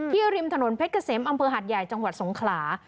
ริมถนนเพชรเกษมอำเภอหัดใหญ่จังหวัดสงขลา